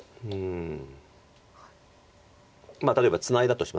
例えばツナいだとします。